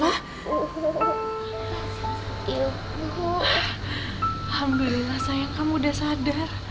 alhamdulillah sayang kamu sudah sadar